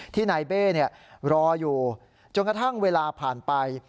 ที่นายเบ้รออยู่จนกระทั่งเวลาผ่านไป